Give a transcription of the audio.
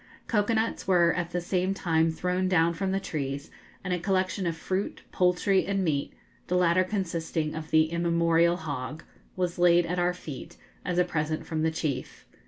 Cocoa nuts were at the same time thrown down from the trees, and a collection of fruit, poultry, and meat the latter consisting of the immemorial hog was laid at our feet, as a present from the chief.